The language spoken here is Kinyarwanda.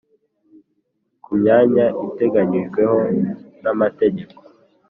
ku myanya iteganyijweho n amategeko